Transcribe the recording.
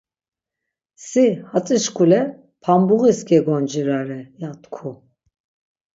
Si hatzi şkule pambuğis gegoncirare ya tku.